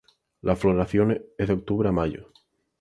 La floración es de octubre a mayo.